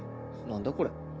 何だこれ？